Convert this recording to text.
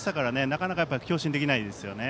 なかなか強振ができないですよね。